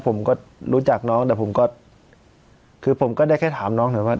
ผมก็รู้จักน้องแต่ผมก็คือผมก็ได้แค่ถามน้องหน่อยว่า